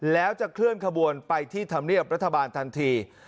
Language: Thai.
แล้วจะเคลื่อนขบวนไปที่ธรรมเนียบรัฐบาลทันที